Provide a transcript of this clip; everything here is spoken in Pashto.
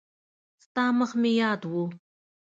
ستا مخ مې یاد و.